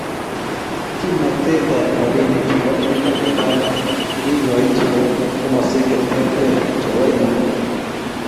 kimnatetab robinik chebo emetab Japan kogigoiy chebo komoswek che terter chebo ingweny